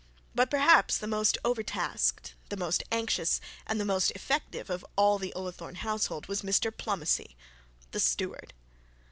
But perhaps the most overtasked, the most anxious and the most effective of all the Ullathorne household was Mr Plomacy the steward.